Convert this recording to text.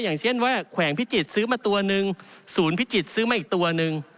อย่างเช่นว่าแขวงพิจิตรซื้อมาตัวนึงศูนย์พิจิตรซื้อมาอีกตัวหนึ่ง